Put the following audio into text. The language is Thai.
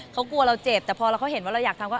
เขากลัวเราเจ็บแต่พอแล้วเขาเห็นว่าเราอยากทำก็